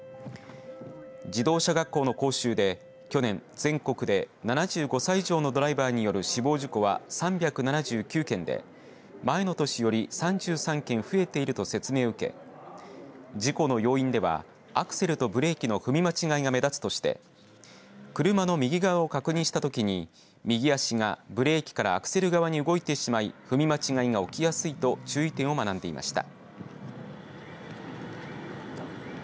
自動車学校の講習で去年、全国で７５歳以上のドライバーによる死亡事故は３７９件で前の年より３３件増えていると説明を受け事故の要因ではアクセルとブレーキの踏み間違いが目立つとして車の右側を確認したときに右足がブレーキからアクセル側に動いてしまい踏み間違いが起きやすいと注意点を学んでいました。